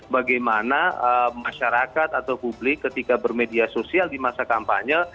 bagaimana masyarakat atau publik ketika bermedia sosial di masa kampanye